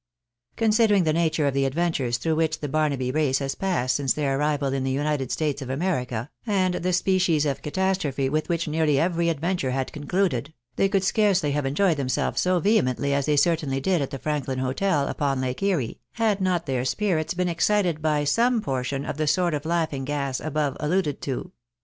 Considering the nature of the adventures through which the Barnaby race bad passed since their arrival in the United States of America, and the species of catastrophe with which nearly every adventure had concluded, they could scarcely have enjoyed them selves so vehemently as they certainly did at the Franklin hotel, upon Lake Erie, had not their spirits been excited by some portion of the sort of laughing gas above alluded to.